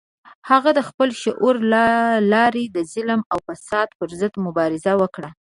هغه د خپل شعر له لارې د ظلم او فساد پر ضد مبارزه وکړه.